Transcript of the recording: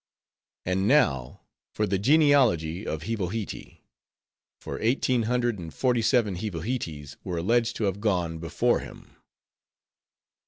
And now, for the genealogy of Hivohitee; for eighteen hundred and forty seven Hivohitees were alleged to have gone before him.